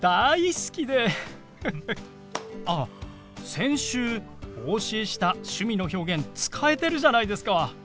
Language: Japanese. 先週お教えした趣味の表現使えてるじゃないですか！